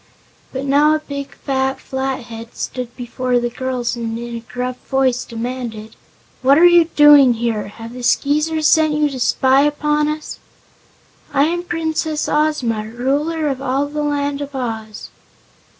But now a big fat Flathead stood before the girls and in a gruff voice demanded: "What are you doing here? Have the Skeezers sent you to spy upon us?" "I am Princess Ozma, Ruler of all the Land of Oz."